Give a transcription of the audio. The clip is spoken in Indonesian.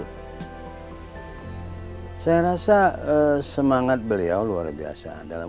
transaksi komunikasi stokan dantim